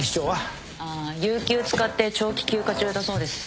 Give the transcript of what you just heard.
有休使って長期休暇中だそうです。